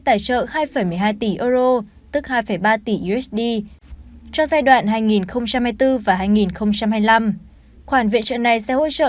tài trợ hai một mươi hai tỷ euro cho giai đoạn hai nghìn hai mươi bốn và hai nghìn hai mươi năm khoản viện trợ này sẽ hỗ trợ